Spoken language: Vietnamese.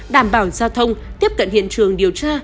đảm bảo giao thông tiếp cận hiện trường điều tra